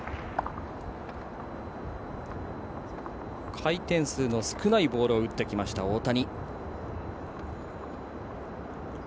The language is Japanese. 回転数の少ないボールを打ってきました、大谷。